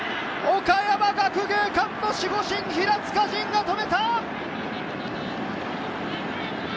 岡山学芸館の守護神・平塚仁が止めた！